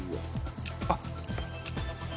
あっ。